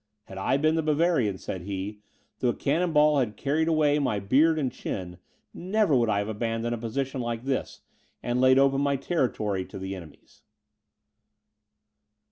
"Had I been the Bavarian," said he, "though a cannon ball had carried away my beard and chin, never would I have abandoned a position like this, and laid open my territory to my enemies."